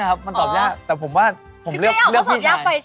แต่ผมว่าผมเลือกพี่ชายเลือกพี่ชายใช่ไหมคือเจ๊ออกว่าตอบยากไปใช่ไหม